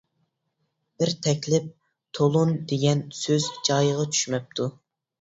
بىر تەكلىپ «تولۇن» دېگەن سۆز جايىغا چۈشمەپتۇ.